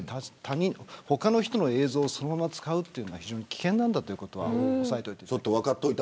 他の人の映像をそのまま使うというのは非常に危険だということは押さえておいて。